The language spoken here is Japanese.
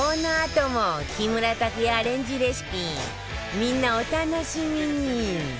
みんなお楽しみに！